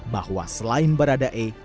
bahwa selain baradae